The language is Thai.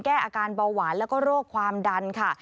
แก้อาการเบาหวานแล้วก็โรคความดันค่ะ